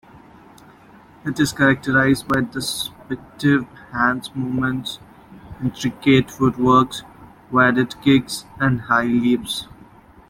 It is characterized by deceptive hand movements, intricate footwork, varied kicks, and high leaps.